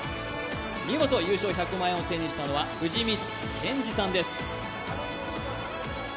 見事、優勝１００万円を手にしたのは藤光謙司さんです。